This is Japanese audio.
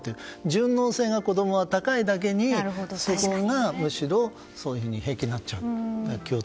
順応性が子供は高いだけにそこが、むしろそういうふうに平気になっちゃうと。